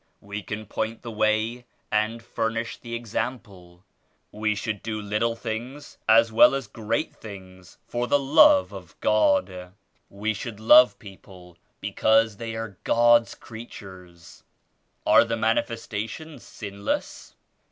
We can point the way and fur nish the example. We should do little things as well as great things for the Love of God. We should love people because they are God's creat ures." "Are the Manifestations sinless?"